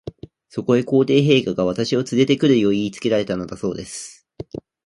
そこへ、皇帝陛下が、私をつれて来るよう言いつけられたのだそうです。